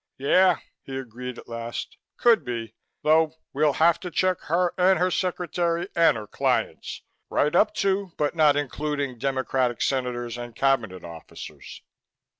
"Yeah," he agreed at last. "Could be, though we'll have to check her and her secretary and her clients, right up to but not including Democratic Senators and Cabinet officers."